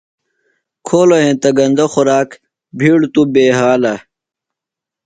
کھولوۡ ہینتہ گندہ خوراک، بِھیڑ توۡ تھےۡ بہ ہلا